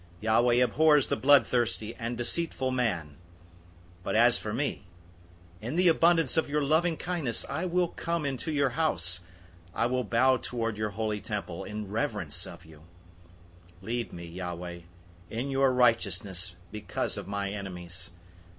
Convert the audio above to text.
Yahweh abhors the blood thirsty and deceitful man. 005:007 But as for me, in the abundance of your loving kindness I will come into your house. I will bow toward your holy temple in reverence of you. 005:008 Lead me, Yahweh, in your righteousness because of my enemies.